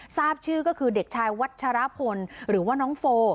ทราบชื่อก็คือเด็กชายวัชรพลหรือว่าน้องโฟ